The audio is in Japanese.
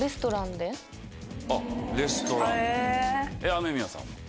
雨宮さんは？